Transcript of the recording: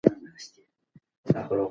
د ده په غږ کې یو ډول خپګان و.